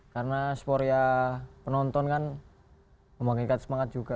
karena sporia penonton kan memang ikat semangat juga